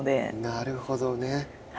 なるほどね。